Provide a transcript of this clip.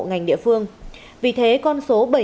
ngành địa phương vì thế con số